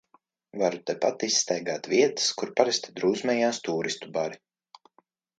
Varu tepat izstaigāt vietas, kur parasti drūzmējās tūristu bari.